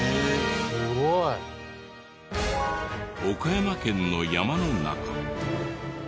すごい！岡山県の山の中。